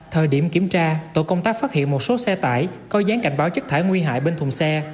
thời điểm kiểm tra tổ công tác phát hiện một số xe tải có dán cảnh báo chất thải nguy hại bên thùng xe